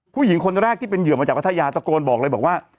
ผู้หญิงคนแรกที่เป็นเหยื่อมาจากพัทยาตะโกนบอกเลยบอกว่า